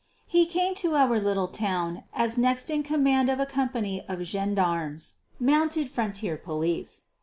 He came to our little town as next in command of a company of gendarmes mounted frontier police.